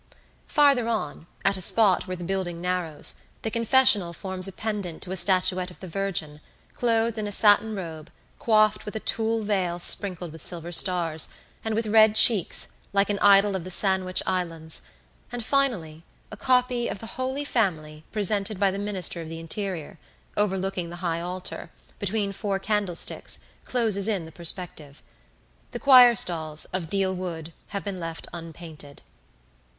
Farther on, at a spot where the building narrows, the confessional forms a pendant to a statuette of the Virgin, clothed in a satin robe, coifed with a tulle veil sprinkled with silver stars, and with red cheeks, like an idol of the Sandwich Islands; and, finally, a copy of the "Holy Family, presented by the Minister of the Interior," overlooking the high altar, between four candlesticks, closes in the perspective. The choir stalls, of deal wood, have been left unpainted.